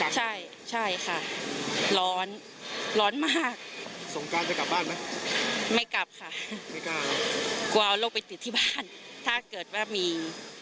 ใช่ค่ะร้อนร้อนมากสงกรรมกลับบ้านไม่กลับค่ะกลัวเราไปติดที่บ้านถ้าเกิดว่ามี